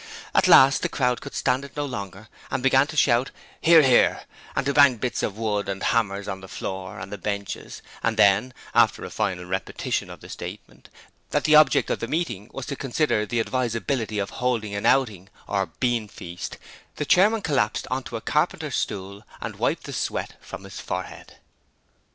At last the crowd could stand it no longer, and began to shout 'Hear, hear' and to bang bits of wood and hammers on the floor and the benches; and then, after a final repetition of the statement, that the object of the meeting was to consider the advisability of holding an outing, or beanfeast, the chairman collapsed on to a carpenter's stool and wiped the sweat from his forehead.